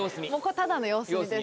ただの様子見です。